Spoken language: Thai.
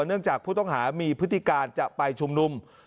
เนื่องจากผู้ต้องหามีพฤติการจะไปชุมนุม